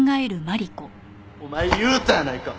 お前言うたやないか。